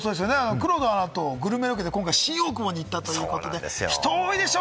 黒田アナとグルメロケで、今回、新大久保に行ったということで、人多いでしょ？